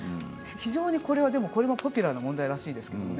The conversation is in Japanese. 非常にポピュラーな問題らしいですけどもね。